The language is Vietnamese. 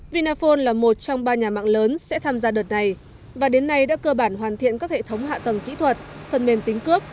vinaphone là một trong ba nhà mạng lớn sẽ tham gia đợt này và đến nay đã cơ bản hoàn thiện các hệ thống hạ tầng kỹ thuật phần mềm tính cước